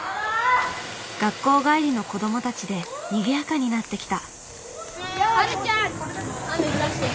学校帰りの子どもたちでにぎやかになってきた。